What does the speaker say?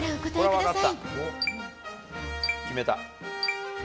決めた。